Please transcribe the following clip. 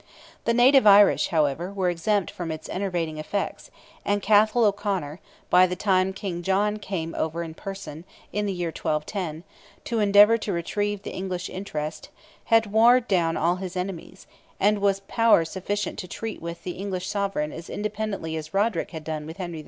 The native Irish, however, were exempt from its enervating effects, and Cathal O'Conor, by the time King John came over in person—in the year 1210—to endeavour to retrieve the English interest, had warred down all his enemies, and was of power sufficient to treat with the English sovereign as independently as Roderick had done with Henry II.